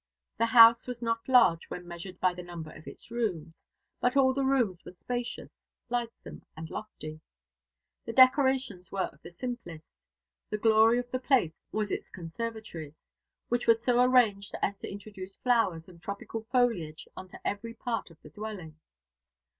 The house was not large when measured by the number of its rooms; but all the rooms were spacious, lightsome, and lofty. The decorations were of the simplest. The glory of the place was its conservatories, which were so arranged as to introduce flowers and tropical foliage into every part of the dwelling.